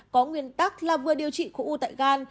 có nguyên tắc là vừa điều trị khu u tại gan